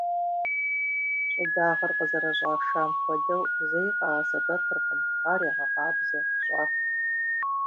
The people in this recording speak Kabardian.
Щӏыдагъэр къызэрыщӏашам хуэдэу зэи къагъэсэбэпыркъым, ар ягъэкъабзэ, щӏаху.